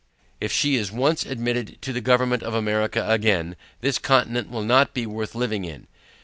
If she is once admitted to the government of America again, this Continent will not be worth living in.